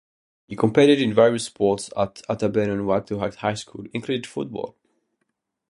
He competed in various sports at Aberdeen-Weatherwax High School, including football.